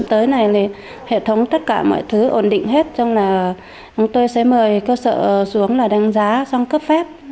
tới này thì hệ thống tất cả mọi thứ ổn định hết là chúng tôi sẽ mời cơ sở xuống là đánh giá xong cấp phép